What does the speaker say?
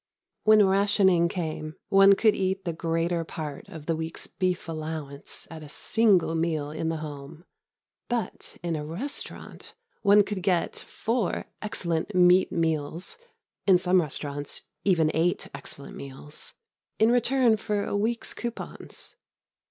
When rationing came, one could eat the greater part of the week's beef allowance at a single meal in the home, but in a restaurant one could get four excellent meat meals in some restaurants even eight excellent meals in return for a week's coupons.